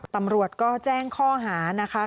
ตำรวจก็แจ้งข้อหานะคะ